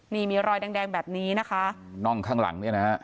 นี่มีรอยแดงแดงแบบนี้นะคะน่องข้างหลังเนี่ยนะฮะ